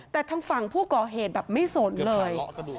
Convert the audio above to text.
แต่ทางฝั่งผู้ก่อเหตุแบบไม่สนเลย